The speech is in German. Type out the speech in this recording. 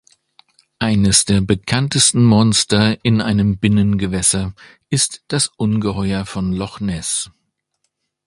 Eines der bekanntesten Monster in einem Binnengewässer ist das Ungeheuer von Loch Ness.